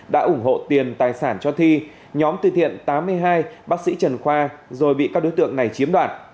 đã ủng hộ tiền tài sản cho thi nhóm từ thiện tám mươi hai bác sĩ trần khoa rồi bị các đối tượng này chiếm đoạt